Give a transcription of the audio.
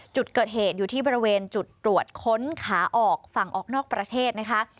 จุดเกิดเหตุอยู่ที่บริเวณจุดตรวจค้นขาออกฝั่งออกนอกประเทศนะคะ